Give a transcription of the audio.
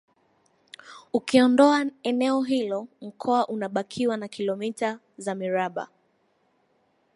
Ukiondoa eneo hilo Mkoa unabakiwa na Kilomita za mraba